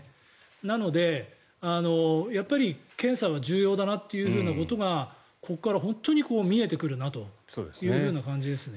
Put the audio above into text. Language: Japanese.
なので、やっぱり検査は重要だなということがここから本当に見えてくるなという感じですね。